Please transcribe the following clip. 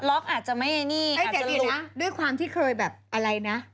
อ้าวอาจจะไม่นี่อาจจะลุกแต่ดีนะด้วยความที่เคยแบบอะไรนะ